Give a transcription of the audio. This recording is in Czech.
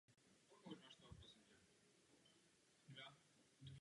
Nález sestává z fosilních krčních obratlů a stehenní kosti.